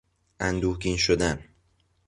اندوهگین شدن